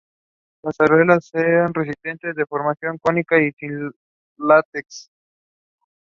Maggie and Gabriel break off to head for the inside.